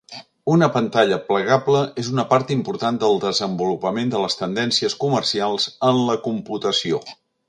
Una pantalla plegable és una part important del desenvolupament de les tendències comercials en la computació.